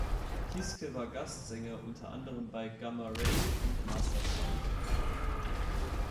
Kiske war Gastsänger unter anderem bei Gamma Ray und Masterplan.